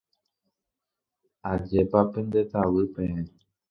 Ajépa pendetavy peẽ.